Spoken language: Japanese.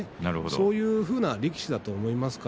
そういうふうな力士だと思います。